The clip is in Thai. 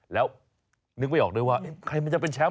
แล้วนึกไม่ออกด้วยว่าใครมันจะเป็นแชมป